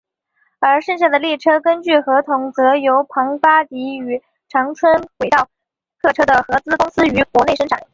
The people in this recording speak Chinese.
而剩下的列车根据合同则由庞巴迪与长春轨道客车的合资公司于国内生产。